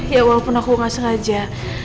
ya walaupun aku gak sengaja